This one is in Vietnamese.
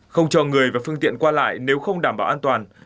không cho người và phương tiện qua lại nếu không đảm bảo an toàn